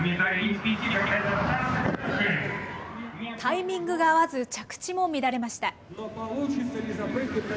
タイミングが合わず、着地も乱れました。